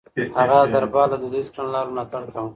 هغه د دربار له دوديزو کړنلارو ملاتړ کاوه.